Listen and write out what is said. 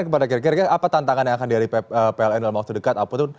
kira kira apa tantangan yang akan diadakan pln dalam waktu dekat